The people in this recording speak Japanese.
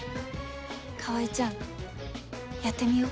川合ちゃんやってみよう。